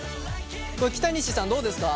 これ北西さんどうですか？